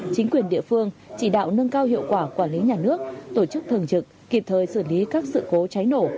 chính quyền địa phương chỉ đạo nâng cao hiệu quả quản lý nhà nước tổ chức thường trực kịp thời xử lý các sự cố cháy nổ